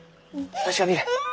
わしが見る。